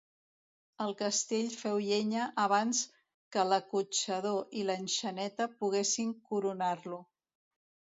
El castell féu llenya abans que l'acotxador i l'enxaneta poguessin coronar-lo.